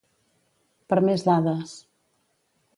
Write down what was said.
Per més dades.